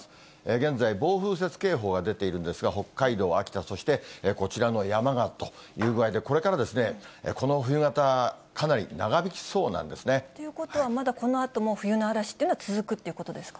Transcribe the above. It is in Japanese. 現在、暴風雪警報が出ているんですが、北海道、秋田、そしてこちらの山形という具合で、これから、この冬型、かなり長引ということは、まだこのあとも冬の嵐というのは続くってことですか？